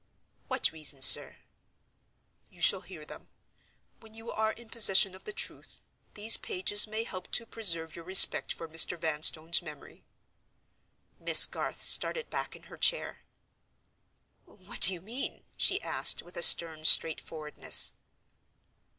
"What reasons, sir?" "You shall hear them. When you are in possession of the truth, these pages may help to preserve your respect for Mr. Vanstone's memory—" Miss Garth started back in her chair. "What do you mean?" she asked, with a stern straightforwardness.